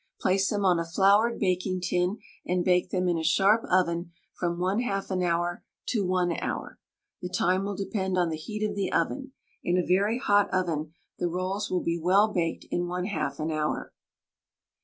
Place them on a floured baking tin, and bake them in a sharp oven from 1/2 an hour to 1 hour. The time will depend on the heat of the oven. In a very hot oven the rolls will be well baked in 1/2 an hour.